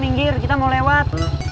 minggir kita mau lewat